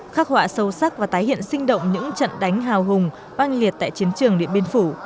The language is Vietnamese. khắc họa sâu sắc và tái hiện sinh động những trận đánh hào hùng băng liệt tại chiến trường điện biên phủ